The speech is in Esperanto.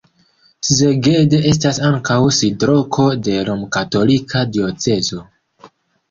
Szeged estas ankaŭ sidloko de romkatolika diocezo.